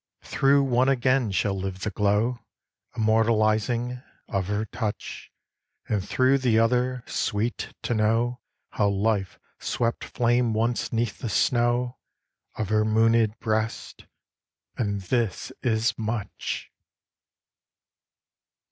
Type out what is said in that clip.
Through one again shall live the glow, Immortalizing, of her touch; And through the other, sweet to know How life swept flame once 'neath the snow Of her mooned breasts, and this is much!